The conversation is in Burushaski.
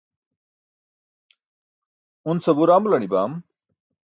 un sabuur amular nibam?